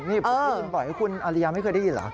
นี่ผมได้ยินบ่อยคุณอริยาไม่เคยได้ยินเหรอ